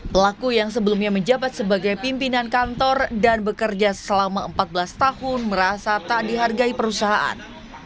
pelaku yang sebelumnya menjabat sebagai pimpinan kantor dan bekerja selama empat belas tahun merasa tak dihargai perusahaan